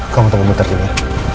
kamu tunggu bentar dulu ya